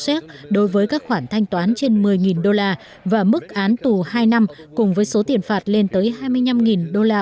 xét đối với các khoản thanh toán trên một mươi usd và mức án tù hai năm cùng với số tiền phạt lên tới